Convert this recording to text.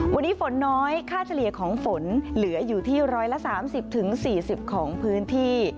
วันนี้ฝนน้อยค่าเฉลี่ยของฝนเหลืออยู่ที่๑๓๐๔๐ของพื้นที่